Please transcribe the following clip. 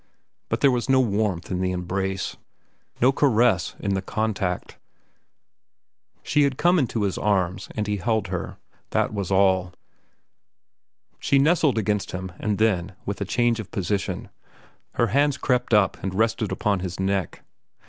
But there was no warmth in the embrace, no caress in the contact. She had come into his arms, and he held her, that was all. She nestled against him, and then, with a change of position, her hands crept up and rested upon his neck.